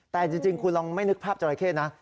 แต่จริงคุณลองไม่นึกภาพจราเข้นะ